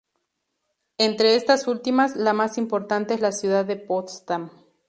Entre estas últimas la más importante es la ciudad de Potsdam.